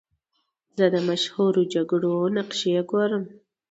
زه د مشهورو جګړو نقشې ګورم.